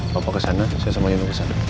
bapak kesana saya sama yuno kesana